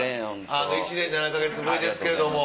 １年７か月ぶりですけれども。